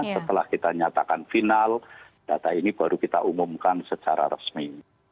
setelah kita nyatakan final data ini baru kita umumkan secara resmi